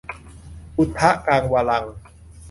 อุทะกังวะรัง